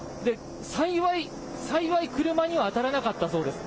幸い、幸い車には当たらなかったそうです。